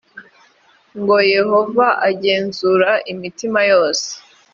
ngo yehova agenzura imitima yose